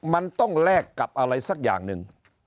มันต้องแลกกับอะไรสักอย่างหนึ่ง